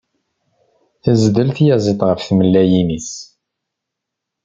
Tezdel tyaziḍt ɣef tmellalin-is.